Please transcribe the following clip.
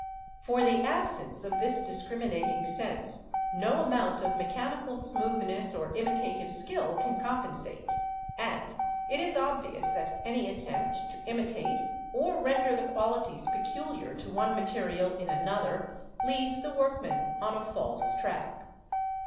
For the absence of this discriminating sense no amount of mechanical smoothness or imitative skill can compensate; and it is obvious that any attempt to imitate or render the qualities peculiar to one material in another leads the workman on a false track.